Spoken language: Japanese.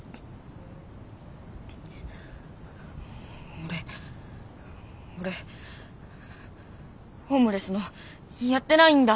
俺俺ホームレスのやってないんだ！